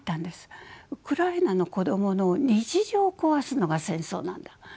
ウクライナの子どもの日常を壊すのが戦争なんだ。